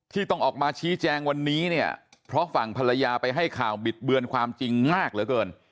ที่ต้องออกมาชี้แจงวันนี้เนี่ยเพราะฝั่งภรรยาไปให้ข่าวบิดเบือนความจริงมากเหลือเกิน